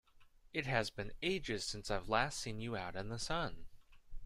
It has been ages since I've last seen you out in the sun!